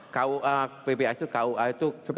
kua pphs itu kua itu kebicaraan